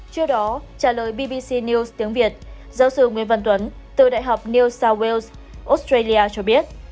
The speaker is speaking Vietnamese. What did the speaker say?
trước đó trả lời bbc news tiếng việt giáo sư nguyễn văn tuấn từ đại học new south wales australia cho biết